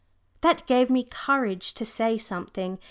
That gave me courage to say something.